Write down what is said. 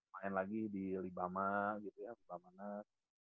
main lagi di libama gitu ya di babanas